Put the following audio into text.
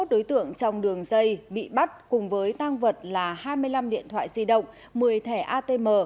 hai mươi đối tượng trong đường dây bị bắt cùng với tang vật là hai mươi năm điện thoại di động một mươi thẻ atm